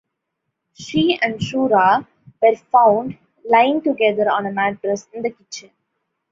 She and Shura were found lying together on a mattress in the kitchen.